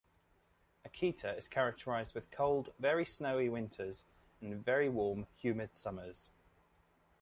Akita is characterized with cold, very snowy, winters, and very warm, humid summers.